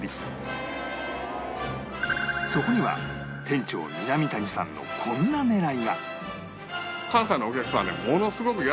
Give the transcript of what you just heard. そこには店長南谷さんのこんな狙いが